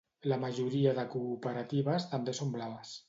La majoria de cooperatives també són blaves.